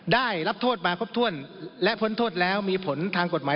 ได้รับโทษมาครบถ้วนและพ้นโทษแล้วมีผลทางกฎหมาย